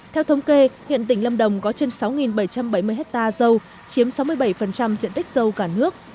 theo thống kê hiện tỉnh lâm đồng có trên sáu bảy trăm bảy mươi hectare dâu chiếm sáu mươi bảy diện tích dâu cả nước